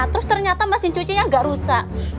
terus ternyata mesin cucinya agak rusak